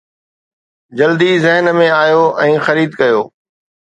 جلدي ذهن ۾ آيو ۽ خريد ڪيو